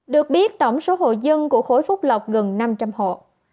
được biết tổng số hộ dân của khối phúc lọc gần năm trăm linh hộ